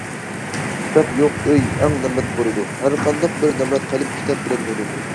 كىتاب يوق ئۆي ئەڭ نامرات بولىدۇ، ھەرقانداق بىر نامرات قەلب كىتاب بىلەن نۇرلىنىدۇ.